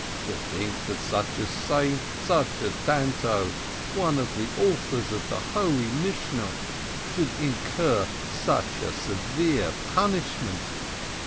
"To think that such a saint, such a Tano, one of the authors of the holy Mishnah, should incur such a severe punishment